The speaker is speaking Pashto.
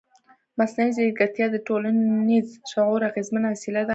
مصنوعي ځیرکتیا د ټولنیز شعور اغېزمنه وسیله ده.